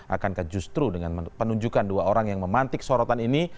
akankah justru dengan penunjukan dua orang yang memantik sorotan ini